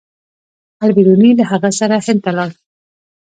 البیروني له هغه سره هند ته لاړ.